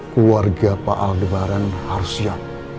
keluarga pak albaran harus siap